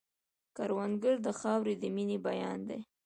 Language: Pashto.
کروندګر د خاورې د مینې بیان دی